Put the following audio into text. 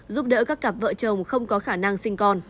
giúp đỡ các cặp vợ chồng không có khả năng